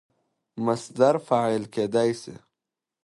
مصدر فاعل کېدای سي.